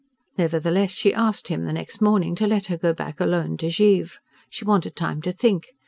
Nevertheless she asked him, the next morning, to let her go back alone to Givre. She wanted time to think.